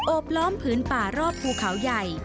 บล้อมผืนป่ารอบภูเขาใหญ่